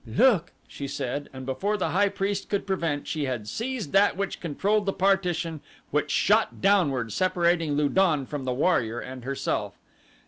"Look," she said, and before the high priest could prevent she had seized that which controlled the partition which shot downward separating Lu don from the warrior and herself.